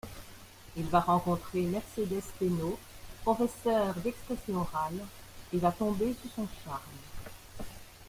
Il va rencontrer Mercedes Tainot, professeur d'expression orale, et va tomber sous son charme.